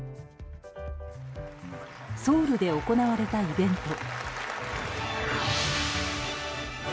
ソウルで行われたイベント。